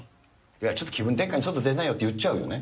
ちょっと気分転換に外出なよって言っちゃうよね。